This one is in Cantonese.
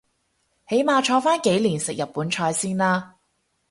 起碼坐返幾年食日本菜先啦